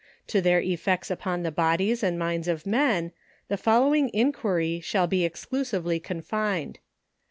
To their effects upon the bodies and minds of men, the following inquiry shall be exclusively confined.